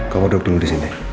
kamu duduk dulu di sini